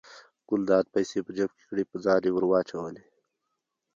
ګلداد پیسې په جب کې کړې په ځان یې ور واچولې.